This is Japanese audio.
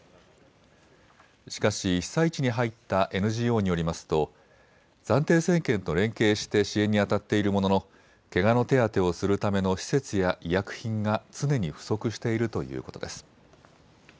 しかし被災地に入ったＮＧＯによりますと暫定政権と連携して支援に当たっているもののけがの手当てをするための施設や医薬品が常に不足しているということです。